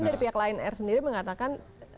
bahkan dari pihak line air sendiri mengatakan